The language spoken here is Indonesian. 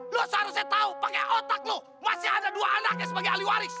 lu seharusnya tahu pakai otak lu masih ada dua anaknya sebagai alih waris